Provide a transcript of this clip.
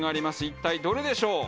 一体どれでしょう？